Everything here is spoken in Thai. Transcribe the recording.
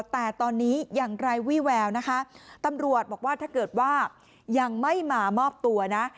แต่ตอนนี้อย่างไร้วี่แววนะคะตำรวจบอกว่าถ้าเกิดว่ายังไม่มามอบตัวนะ